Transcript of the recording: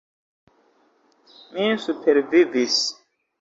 Mi supervivis.